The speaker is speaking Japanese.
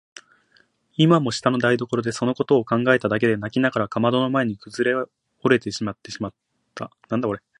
今も下の台所でそのことを考えただけで泣きながらかまどの前にくずおれてしまった。